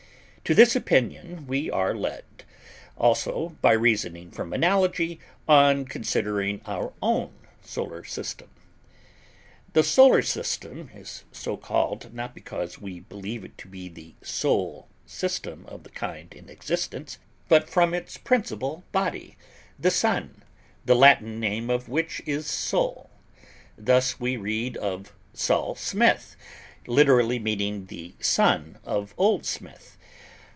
To this opinion we are led, also, by reasoning from analogy, on considering our own Solar System. THE SOLAR SYSTEM is so called, not because we believe it to be the sole system of the kind in existence, but from its principal body, the Sun, the Latin name of which is Sol. (Thus we read of Sol Smith, literally meaning the son of Old Smith.)